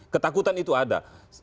ketakutan itu ada